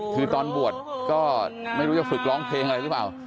คือตอนบวชก็ไม่รู้จะฝึกร้องเพลงอะไรหรือเปล่า